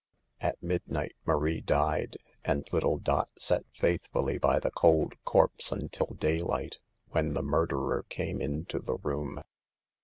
At midnight Marie died, and little Dot sat faithfully by the cold corpse until daylight, when the murderer came into the room.